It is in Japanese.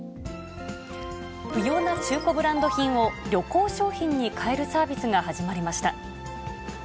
不要な中古ブランド品を旅行商品にかえるサービスが始まりました。